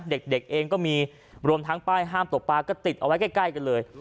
เด็กเองก็มีรวมทั้งป้ายห้ามตกปลาก็ติดเอาไว้ใกล้กันเลย